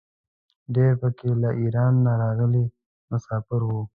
ډېر په کې له ایران نه راغلي مساپر وو.